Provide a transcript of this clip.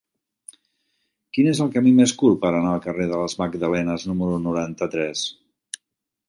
Quin és el camí més curt per anar al carrer de les Magdalenes número noranta-tres?